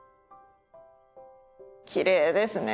きれいですね